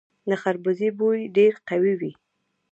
د خربوزې بوی ډیر قوي وي.